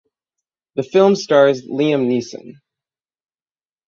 The film stars Liam Neeson.